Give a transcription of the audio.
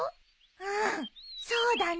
うんそうだね。